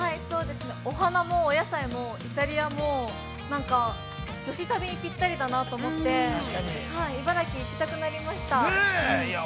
◆お花も、お野菜も、イタリアも、なんか、女子旅にぴったりだなと思って茨城に行きたくなりました。